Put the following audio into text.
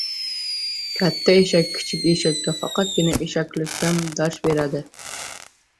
• Katta eshak kichik eshakka faqatgina eshaklikdan dars beradi.